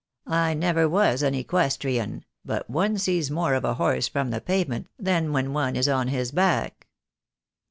I never was an equestrian, but one sees more of a horse from the pavement than when one is on his back."